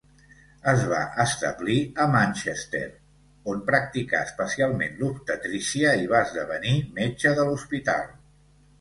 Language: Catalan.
Es va establir a Manchester, on practicà especialment l'obstetrícia i va esdevenir metge de l'hospital.